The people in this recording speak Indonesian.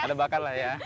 ada bakat lah ya